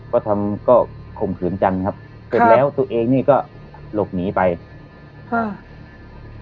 ก็ทำก็ข่มขืนจันทร์ครับเสร็จแล้วตัวเองนี่ก็หลบหนีไปค่ะ